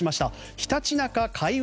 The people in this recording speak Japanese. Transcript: ひたちなか開運